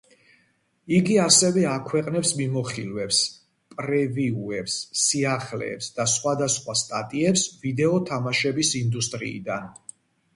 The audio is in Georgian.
იგი, ასევე აქვეყნებს მიმოხილვებს, პრევიუებს, სიახლეებს და სხვადასხვა სტატიებს ვიდეო თამაშების ინდუსტრიიდან.